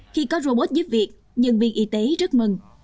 khi có robot giúp việc nhân viên y tế rất mừng